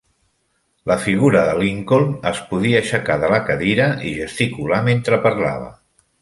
La figura de Lincoln es podia aixecar de la cadira i gesticular mentre parlava.